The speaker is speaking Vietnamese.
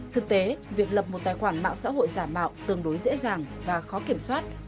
thực tế việc lập một tài khoản mạng xã hội giả mạo tương đối dễ dàng và khó kiểm soát